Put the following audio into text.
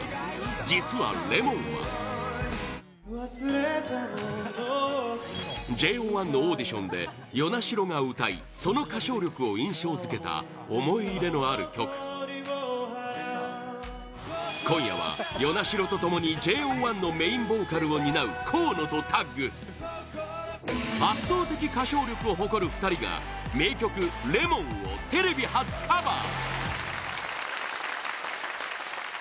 実は、「Ｌｅｍｏｎ」はＪＯ１のオーディションで與那城が歌いその歌唱力を印象づけた思い入れのある曲今夜は與那城と共にＪＯ１のメインボーカルを担う河野とタッグ圧倒的歌唱力を誇る２人が名曲「Ｌｅｍｏｎ」をテレビ初カバー！